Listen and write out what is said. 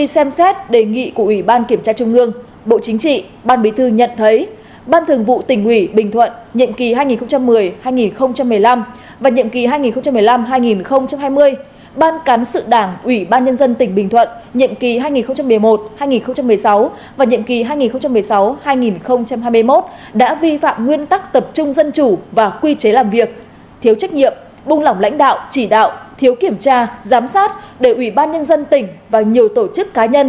xem xét đề nghị của ubnd bộ chính trị ban bí thư nhận thấy ban thường vụ tỉnh ubnd nhiệm kỳ hai nghìn một mươi hai nghìn một mươi năm và nhiệm kỳ hai nghìn một mươi năm hai nghìn hai mươi ban cán sự đảng ubnd tỉnh bình thuận nhiệm kỳ hai nghìn một mươi một hai nghìn một mươi sáu và nhiệm kỳ hai nghìn một mươi sáu hai nghìn hai mươi một đã vi phạm nguyên tắc tập trung dân chủ và quy chế làm việc thiếu trách nhiệm bung lỏng lãnh đạo chỉ đạo thiếu kiểm tra giám sát để ubnd tỉnh và nhiều tổ chức cá nhân